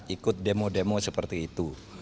ikut demo demo seperti itu